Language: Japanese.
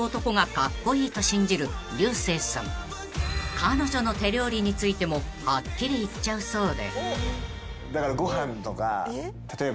［彼女の手料理についてもはっきり言っちゃうそうで］